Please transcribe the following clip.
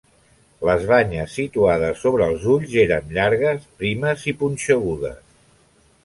Les banyes situades sobre els ulls eren llargues, primes, i punxegudes.